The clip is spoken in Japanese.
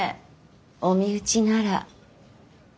お身内なら。